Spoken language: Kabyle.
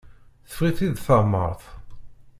Teffeɣ-it-id tamart.